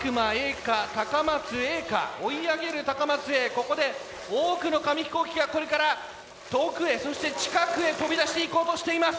ここで多くの紙飛行機がこれから遠くへそして近くへ飛び出していこうとしています。